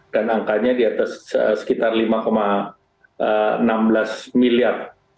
dan angkanya di atas sekitar lima enam belas miliar